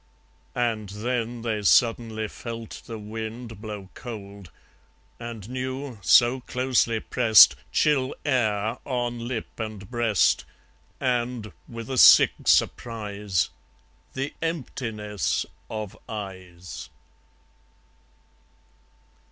. And then They suddenly felt the wind blow cold, And knew, so closely pressed, Chill air on lip and breast, And, with a sick surprise, The emptiness of eyes.